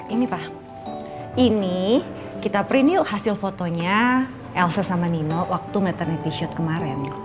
ini pak ini kita prenue hasil fotonya elsa sama nino waktu meter shoot kemarin